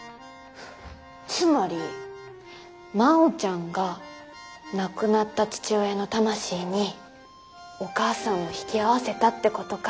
つまり真央ちゃんが亡くなった父親の魂にお母さんを引き合わせたってことか。